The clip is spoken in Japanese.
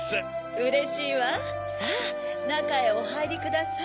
うれしいわさぁなかへおはいりください。